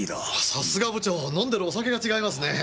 さすが部長飲んでるお酒が違いますね。